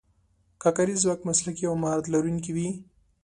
که کاري ځواک مسلکي او مهارت لرونکی وي.